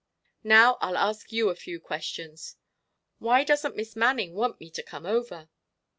Now, I'll ask you a few questions. Why doesn't Miss Manning want me to come over?"